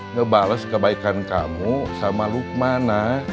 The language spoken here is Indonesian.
ngebales kebaikan kamu sama lukman nah